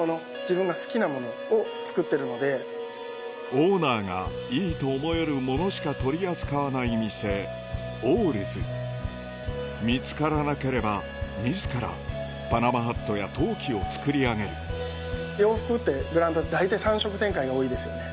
オーナーがいいと思える物しか取り扱わない店ＯＲＲＳ見つからなければ自らパナマハットや陶器を作り上げる洋服ってブランド大体３色展開が多いですよね。